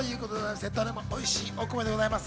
どれもおいしいお米です。